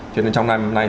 cho nên trong năm nay